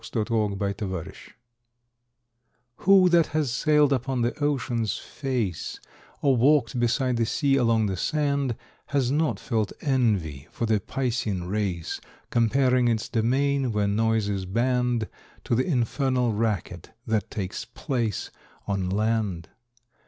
= HYMN FOR HOWLERS |WHO that has sailed upon the ocean's face, `Or walked beside the sea along the sand, Has not felt envy for the piscine race, Comparing its domain, where noise is banned, To the infernal racket that takes place On land?